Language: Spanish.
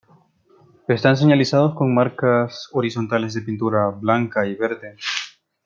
Están señalizados con marcas horizontales de pintura blanca y verde.